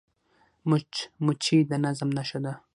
مچمچۍ د نظم نښه ده